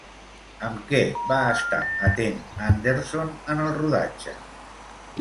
Amb què va estar atent Anderson en el rodatge?